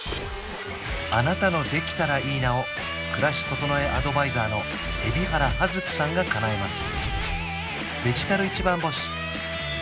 あなたの「できたらいいな」を暮らし整えアドバイザーの海老原葉月さんがかなえます